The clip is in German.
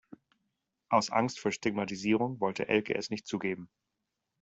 Aus Angst vor Stigmatisierung wollte Elke es nicht zugeben.